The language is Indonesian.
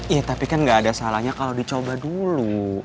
iya tapi kan gak ada salahnya kalau dicoba dulu